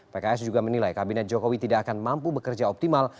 pks juga menilai kabinet jokowi tidak akan mampu bekerja optimal